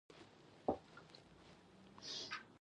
بخْشالۍ یې پېښې کوي.